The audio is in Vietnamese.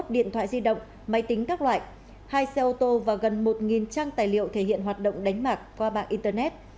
một mươi điện thoại di động máy tính các loại hai xe ô tô và gần một trang tài liệu thể hiện hoạt động đánh bạc qua mạng internet